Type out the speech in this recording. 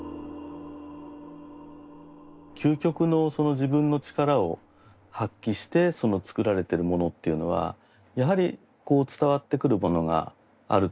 究極のその自分の力を発揮して作られてるものっていうのはやはり伝わってくるものがあると思うんですよね。